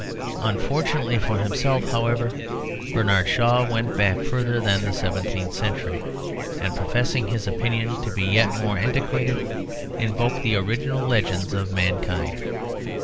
Unfortunately for himself, however, Bernard Shaw went back further than the seventeenth century; and professing his opinion to be yet more antiquated, invoked the original legends of mankind.